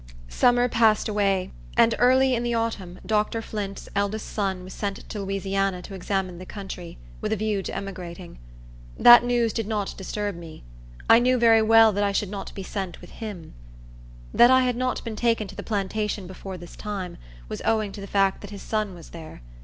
Summer passed away, and early in the autumn Dr. Flint's eldest son was sent to Louisiana to examine the country, with a view to emigrating. That news did not disturb me. I knew very well that I should not be sent with him. That I had not been taken to the plantation before this time, was owing to the fact that his son was there.